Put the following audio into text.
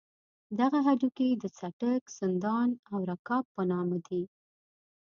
دغه هډوکي د څټک، سندان او رکاب په نامه دي.